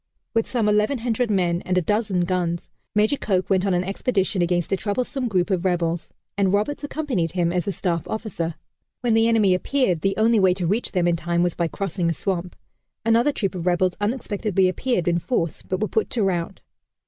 With some 1,100 men and a dozen guns, Major Coke went on an expedition against a troublesome group of rebels, and Roberts accompanied him as a staff officer. When the enemy appeared the only way to reach them in time was by crossing a swamp. Another troop of rebels unexpectedly appeared in force, but were put to rout.